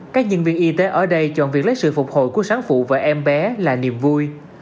các nhân viên y tế ở đây chọn việc lấy sự phục hồi của sáng phụ và em bé là niềm vui